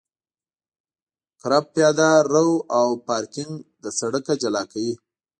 کرب پیاده رو او پارکینګ له سرک جلا کوي